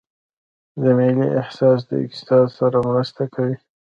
د ملي احساس له اقتصاد سره مرسته کوي؟